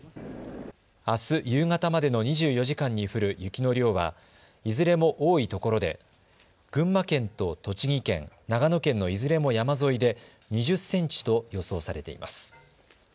あす夕方までの２４時間に降る雪の量はいずれも多いところで群馬県と栃木県、長野県のいずれも山沿いで２０センチと予想されています。